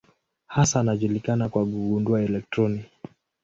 Hasa anajulikana kwa kugundua elektroni.